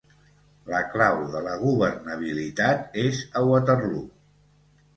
La clau de la governabilitat és a Waterloo.